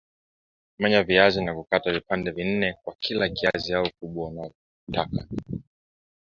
Menya viazi na kukata vipande nne kwa kila kiazi au ukubwa unaotaka